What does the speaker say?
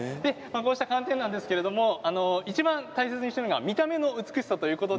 こうした寒天ですがいちばん大切にしているのは見た目の美しさということで